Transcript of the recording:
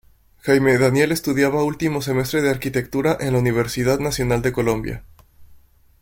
Jaime Daniel estudiaba último semestre de Arquitectura en la Universidad Nacional de Colombia.